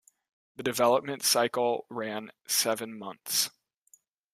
The development cycle ran seven months.